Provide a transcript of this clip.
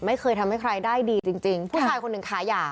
ไม่เคยทำให้ใครได้ดีจริงจริงผู้ชายคนหนึ่งขาย่า